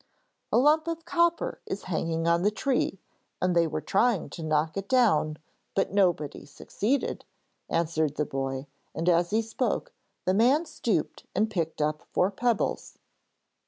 'A lump of copper is hanging on the tree and they were trying to knock it down, but nobody succeeded,' answered the boy; and as he spoke, the man stooped and picked up four pebbles.